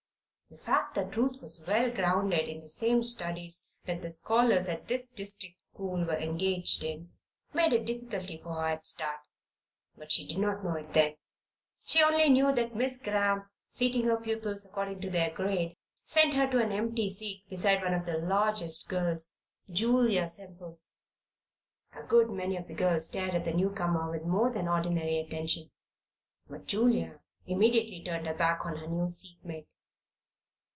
The fact that Ruth was well grounded in the same studies that the scholars at this district school were engaged in, made a difficulty for her at the start. But she did not know it then. She only knew that Miss Cramp, seating her pupils according to their grade, sent her to an empty seat beside one of the largest girls Julia Semple. A good many of the girls stared at the new comer with more than ordinary attention; but Julia immediately turned her back on her new seatmate.